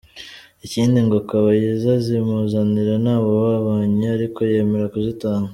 Ikindi ngo Kabayiza azimuzanira nta wababonye, ariko yemera kuzitanga.